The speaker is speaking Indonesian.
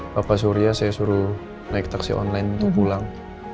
bapak surya saya suruh naik taksi online untuk pulang